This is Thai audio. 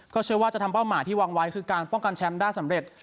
เชื่อว่าจะทำเป้าหมายที่วางไว้คือการป้องกันแชมป์ได้สำเร็จ